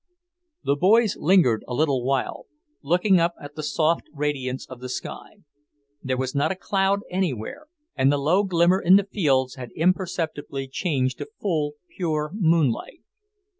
The boys lingered a little while, looking up at the soft radiance of the sky. There was not a cloud anywhere, and the low glimmer in the fields had imperceptibly changed to full, pure moonlight.